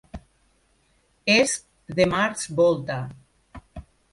És The Mars Volta.